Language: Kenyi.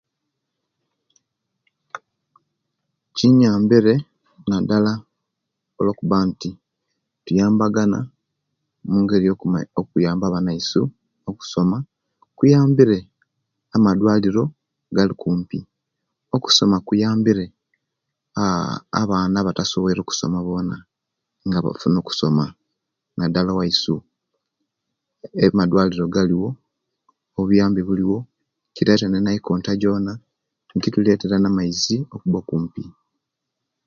Kinyambire naddaala olwokubba nti tuyambagana mungeri eyo eyokuyamba abaanaisu okusoma kuyambire amadwaliro galikumpi okusoma kuyambire aah abaana abatasobwere okusoma bona nga bafuna okusoma naddala owaisu amadwaliro galiwo obuyambi buliwo kireta nenaikonta jjona jjituretera amaizi gona okuba okumpi